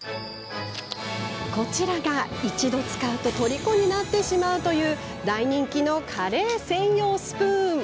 こちらが、一度使うととりこになってしまうという大人気のカレー専用スプーン。